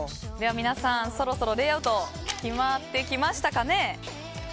皆さん、そろそろレイアウト決まってきましたかね。